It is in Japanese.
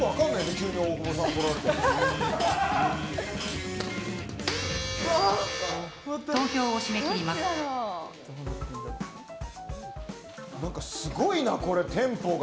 なんかすごいなこれテンポが。